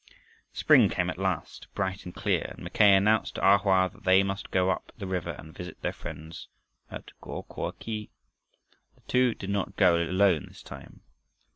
Spring came at last, bright and clear, and Mackay announced to A Hoa that they must go up the river and visit their friends at Goko khi. The two did not go alone this time.